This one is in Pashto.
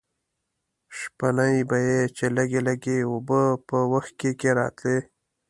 شپېنۍ به یې چې لږې لږې اوبه په وښکي کې راتلې.